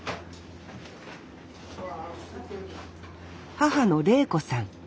母の礼子さん。